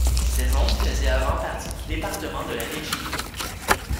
Ces zones faisaient avant partie du département de la Virginie.